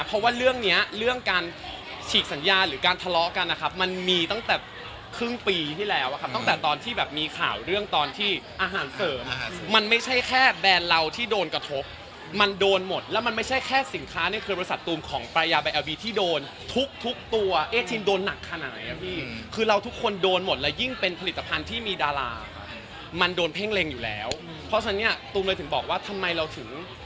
เพราะว่าเรื่องนี้เรื่องการฉีกสัญญาณหรือการทะเลาะกันนะครับมันมีตั้งแต่ครึ่งปีที่แล้วครับตั้งแต่ตอนที่แบบมีข่าวเรื่องตอนที่อาหารเสริมมันไม่ใช่แค่แบรนด์เราที่โดนกระทบมันโดนหมดแล้วมันไม่ใช่แค่สินค้าเนี่ยคือบริษัทตูมของประยาบาลบีที่โดนทุกตัวเอ๊ะทิ้งโดนหนักขนาดไหนนะพี่คือเราทุ